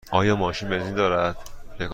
آیا ماشین بنزین دارد؟